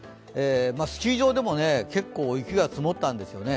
スキー場でも結構雪が積もったんですよね。